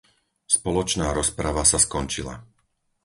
Spoločná rozprava sa skončila.